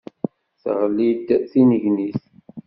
Teɣli d tinnegnit.